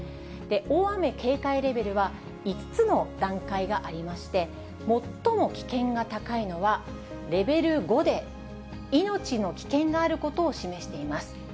大雨警戒レベルは５つの段階がありまして、最も危険が高いのはレベル５で、命の危険があることを示しています。